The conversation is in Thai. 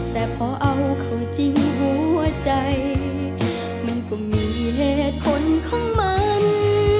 แต่พอเอาเขาจริงหัวใจมันก็มีเหตุผลของมัน